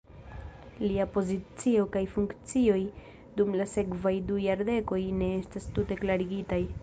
Lia pozicio kaj funkcioj dum la sekvaj du jardekoj ne estas tute klarigitaj.